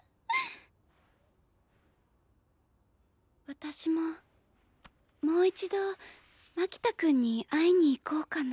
私ももう一度牧田君に会いに行こうかな。